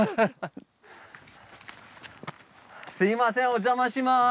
すいませんお邪魔します。